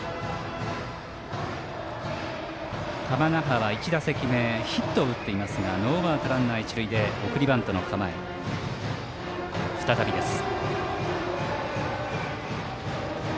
玉那覇は１打席目ヒットを打っていますがノーアウト、一塁で送りバントの構え、再びです。